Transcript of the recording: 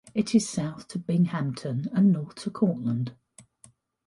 It is south to Binghamton and north to Cortland.